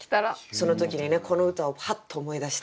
その時にねこの歌をパッと思い出して。